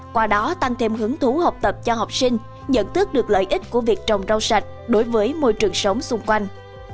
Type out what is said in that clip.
qua đó tăng thêm hứng thú học tập cho học sinh nhận thức được lợi ích của việc trồng rau sạch đối với môi trường sống xung quanh